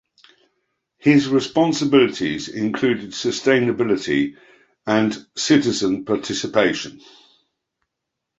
His responsibilities included sustainability and citizen participation.